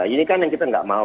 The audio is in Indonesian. ini kan yang kita nggak mau